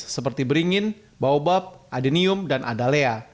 seperti beringin baobab adenium dan adalea